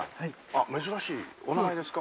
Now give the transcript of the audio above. あっ珍しいお名前ですか？